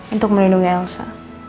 untuk melindungi elsa